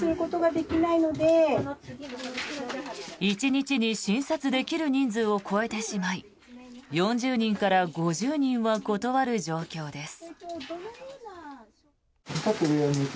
１日に診察できる人数を超えてしまい４０人から５０人は断る状況です。